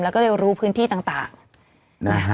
แล้วก็เรารู้พื้นที่ต่าง